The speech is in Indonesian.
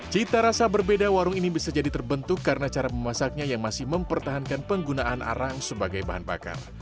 cita rasa berbeda warung ini bisa jadi terbentuk karena cara memasaknya yang masih mempertahankan penggunaan arang sebagai bahan bakar